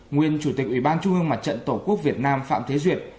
nguyên chủ tịch ủy ban trung ương mặt trận tổ quốc việt nam phạm thế duyệt